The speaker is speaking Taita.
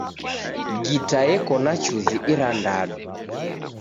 Gita yeko na chuzi irandadu.